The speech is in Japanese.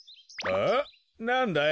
あっなんだい？